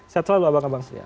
sehat selalu abang abang